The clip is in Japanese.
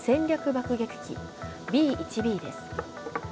爆撃機、Ｂ１Ｂです。